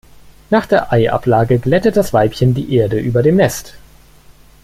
Nach der Eiablage glättet das Weibchen die Erde über dem Nest.